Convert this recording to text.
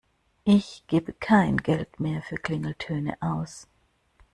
Ich gebe kein Geld mehr für Klingeltöne aus.